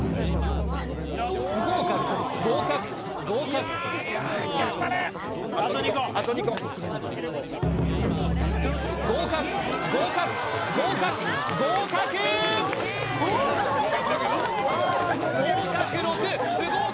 不合格合格合格合格合格合格合格合格６不合格